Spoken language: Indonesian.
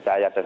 pada saat ini